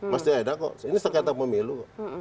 mesti ada kok ini sekretar pemilu